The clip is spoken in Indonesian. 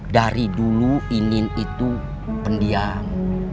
dari dulu ingin itu pendiam